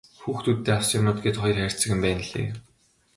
Хүүхдүүддээ авсан юмнууд гээд хоёр хайрцаг юм байнлээ.